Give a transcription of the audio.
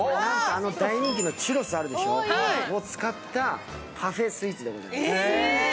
あの大人気のチュロスを使ったパフェスイーツでございます。